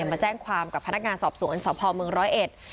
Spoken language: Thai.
มาแจ้งความกับพนักงานสอบสวนสพเมืองร้อยเอ็ด